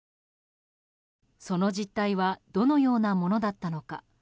その実態はどのようなものだったのか。